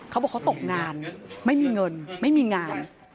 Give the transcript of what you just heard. เขาบอกเขาตกงานไม่มีเงินไม่มีงาน